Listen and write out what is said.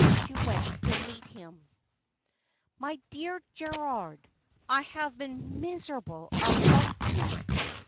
She went to meet him. ' My dear Gerald, I have been miserable about you.'